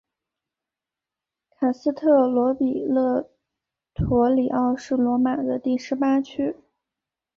卡斯特罗比勒陀里奥是罗马的第十八区。